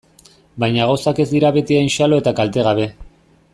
Baina gauzak ez dira beti hain xalo eta kaltegabe.